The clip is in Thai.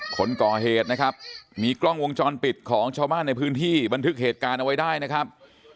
คนก่อเหตุนะครับมีกล้องวงจรปิดของชาวบ้านในพื้นที่บันทึกเหตุการณ์เอาไว้ได้นะครับ